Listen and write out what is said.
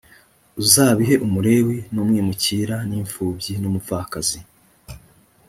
uzabihe umulewi n umwimukira n imfubyi n umupfakazi